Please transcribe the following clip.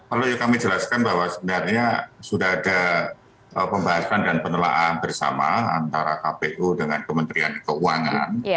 perlu kami jelaskan bahwa sebenarnya sudah ada pembahasan dan penelaan bersama antara kpu dengan kementerian keuangan